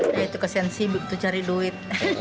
saya itu kesensi butuh cari duit